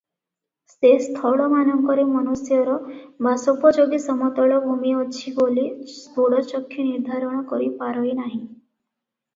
ସେ ସ୍ଥଳମାନଙ୍କରେ ମନୁଷ୍ୟର ବାସୋପଯୋଗୀ ସମତଳଭୂମି ଅଛି ବୋଲି ସ୍ଥୂଳଚକ୍ଷୁ ନିର୍ଦ୍ଧାରଣ କରି ପାରଇ ନାହିଁ ।